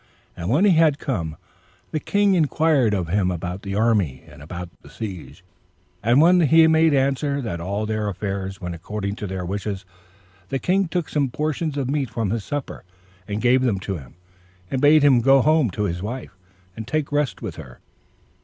And when he was come, the king inquired of him about the army, and about the siege; and when he had made answer that all their affairs went according to their wishes, the king took some portions of meat from his supper, and gave them to him, and bade him go home to his wife, and take his rest with her.